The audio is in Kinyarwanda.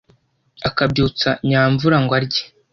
akabyutsa nyamvúra ngo arye